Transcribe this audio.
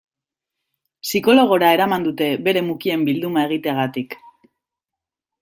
Psikologora eraman dute bere mukien bilduma egiteagatik.